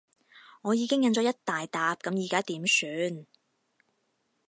我已經印咗一大疊，噉而家點算？